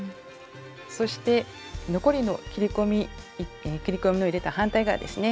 そして残りの切り込みを入れた反対側ですね。